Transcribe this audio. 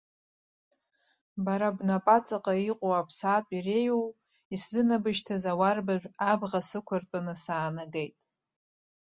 Бара бнапаҵаҟа иҟоу аԥсаатә иреиуоу, исзынабышьҭыз ауарбажә абӷа сықәыртәаны саанагеит.